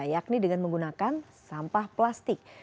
yakni dengan menggunakan sampah plastik